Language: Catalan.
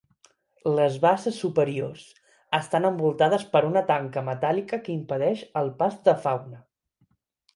Les basses superiors estan envoltades per una tanca metàl·lica que impedeix el pas de fauna.